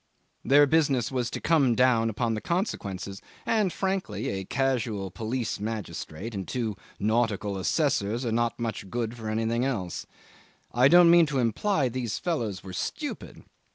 Their business was to come down upon the consequences, and frankly, a casual police magistrate and two nautical assessors are not much good for anything else. I don't mean to imply these fellows were stupid.